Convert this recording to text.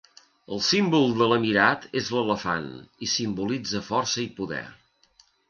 El símbol de l'emirat és l'elefant i simbolitza força i poder.